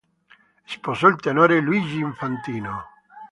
Sposò il tenore Luigi Infantino.